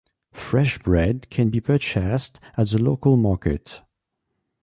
Fresh bread can be purchased at the local market.